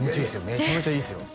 めちゃめちゃいいっすよ